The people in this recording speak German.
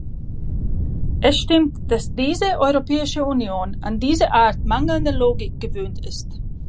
Es stimmt, dass diese Europäische Union an diese Art mangelnde Logik gewöhnt ist.